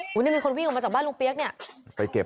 โหนี่มีคนวิ่งออกมาจากบ้านลุงเปี๊ยกเนี่ย